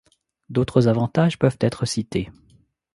D’autres avantages peuvent être cités.